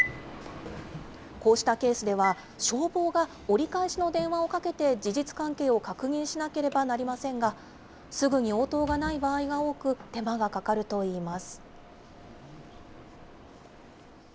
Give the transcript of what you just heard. こうしたケースでは、消防が折り返しの電話をかけて、事実関係を確認しなければなりませんが、すぐに応答がない場合が多く、手間がかかるといいます。